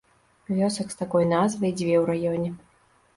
Вёсак з такой назвай дзве ў раёне.